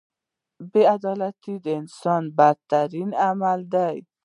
• بې عدالتي د انسان بدترین عمل دی.